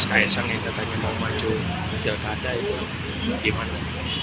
berkait dengan sks yang ditanya mau maju di jakarta itu di mana